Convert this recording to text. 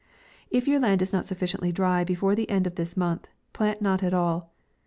If your land is not sufficiently dry before the end of this month, plant not at all.